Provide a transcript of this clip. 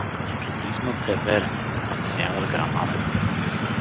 Студизмът е верен, а материалът грамаден.